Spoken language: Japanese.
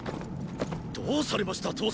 どうされました騰様！